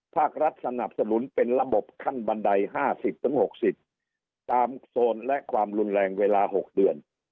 ภาครัฐสนับสนุนเป็นระบบขั้นบันไดห้าสิบถึงหกสิบตามโซนและความรุนแรงเวลาหกเดือน